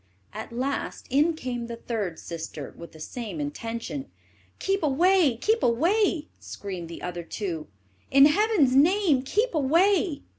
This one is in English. At last, in came the third sister with the same intention. "Keep away, keep away!" screamed the other two; "in heaven's name keep away!"